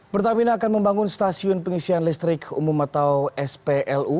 pertamina akan membangun stasiun pengisian listrik umum atau splu